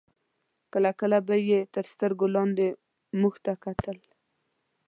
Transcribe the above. کله کله به یې تر سترګو لاندې موږ ته کتل.